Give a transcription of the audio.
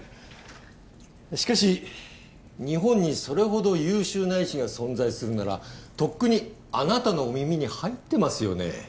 しかし日本にそれほど優秀な医師が存在するならとっくにあなたのお耳に入ってますよね